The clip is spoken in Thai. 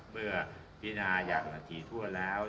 เมื่อการพินาศหยั่งหมดทีทั่วแล้ว